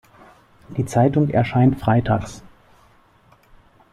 Die Zeitung erscheint freitags.